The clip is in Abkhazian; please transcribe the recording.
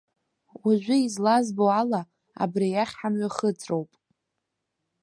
Уажәы, излазбо ала, абри иахь ҳамҩахыҵроуп.